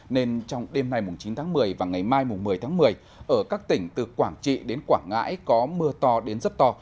nên trong đêm nay chín tháng một mươi và ngày mai một mươi tháng một mươi ở các tỉnh từ quảng trị đến quảng ngãi có mưa to đến rất to